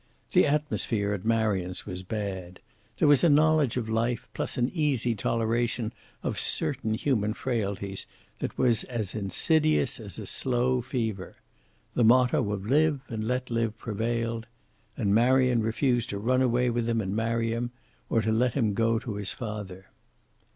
The atmosphere at Marion's was bad; there was a knowledge of life plus an easy toleration of certain human frailties that was as insidious as a slow fever. The motto of live and let live prevailed. And Marion refused to run away with him and marry him, or to let him go to his father.